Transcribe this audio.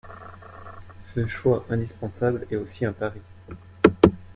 Ce choix indispensable est aussi un pari.